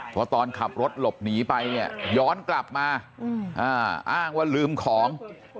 เพราะตอนขับรถหลบหนีไปเนี่ยย้อนกลับมาอ้างว่าลืมของ